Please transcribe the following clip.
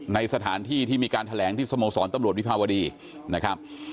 ในสถานที่ที่มีการแถลงที่สโมสรตำรวจวิภาวดีนะครับ